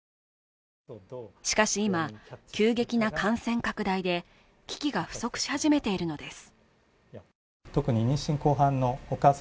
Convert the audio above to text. しかし今、急激な感染拡大で、機器が不足し始めているのです。